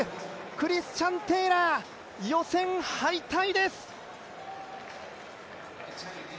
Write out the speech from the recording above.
クリスチャン・テイラー、予選敗退です。